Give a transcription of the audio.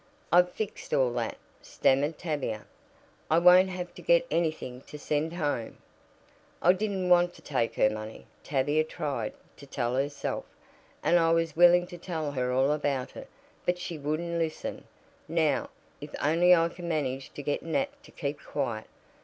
"I've fixed all that," stammered Tavia. "I won't have to get anything to send home." "I didn't want to take her money," Tavia tried to tell herself, "and I was willing to tell her all about it, but she wouldn't listen. Now, if only I can manage to get Nat to keep quiet.